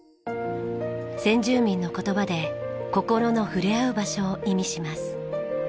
先住民の言葉で「心の触れ合う場所」を意味します。